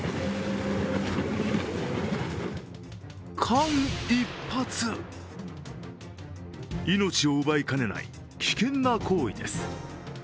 間一髪、命を奪いかねない危険な行為です。